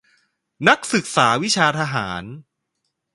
นักศึกษาวิชาทหาร